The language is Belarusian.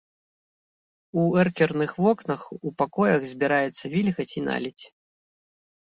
У эркерных вокнах у пакоях збіраецца вільгаць і наледзь.